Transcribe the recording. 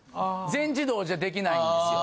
全自動じゃできないんですよ。